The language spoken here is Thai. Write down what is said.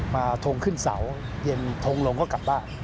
ทงขึ้นเสาเย็นทงลงก็กลับบ้าน